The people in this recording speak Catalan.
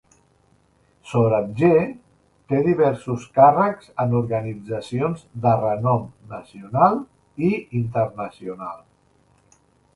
Sorabjee té diversos càrrecs en organitzacions de renom nacional i internacional.